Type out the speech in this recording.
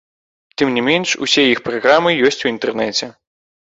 Тым не менш усе іх праграмы ёсць у інтэрнэце.